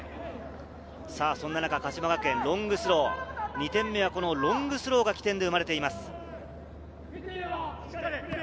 鹿島学園のロングスロー、２点目はロングスローが起点で生まれています。